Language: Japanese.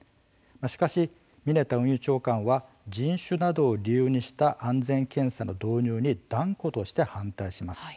しかし、ミネタ運輸長官は人種などを理由にした安全検査の導入に断固として反対します。